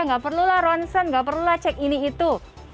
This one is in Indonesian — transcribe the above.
nggak perlulah ronsen gak perlulah cek ini itu